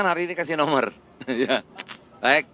ya kembali semangatnya seperti yang permendak dua puluh lima